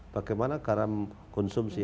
bagaimana garam konsumsi